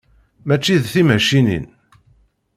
Mačči d timacinin.